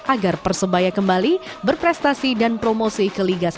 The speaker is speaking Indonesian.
agar persebaya kembali berprestasi dan promosi ke liga satu